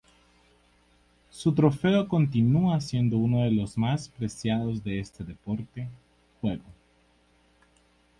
Su trofeo continúa siendo uno de los más preciados de este deporte-juego.